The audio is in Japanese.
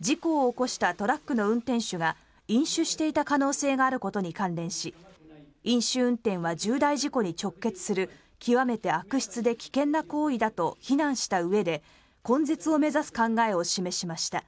事故を起こしたトラックの運転手が飲酒していた可能性があることに関連し飲酒運転は重大事故に直結する極めて悪質で危険な行為だと非難したうえで根絶を目指す考えを示しました。